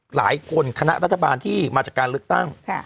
หลายคนคณะรัฐบาลที่มาจากการลึกตั้ง